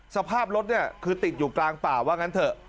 สภาพรถเนี่ยคือติดอยู่กลางป่าว่างั้นเถอะ